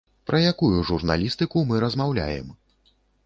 Пра якую журналістыку мы размаўляем?